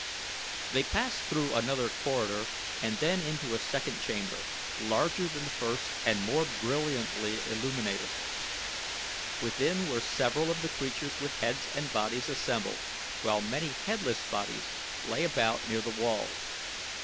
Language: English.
They passed through another corridor and then into a second chamber, larger than the first and more brilliantly illuminated. Within were several of the creatures with heads and bodies assembled, while many headless bodies lay about near the walls.